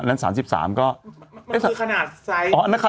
มันคือขนาดไซส์